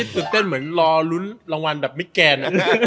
ตื่นเต้นเหมือนรอลุ้นรางวัลแบบมิกแกน